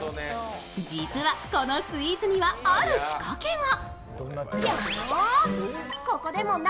実は、このスイーツにはある仕掛けが。